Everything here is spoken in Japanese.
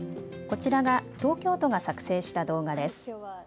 こちらが東京都が作成した動画です。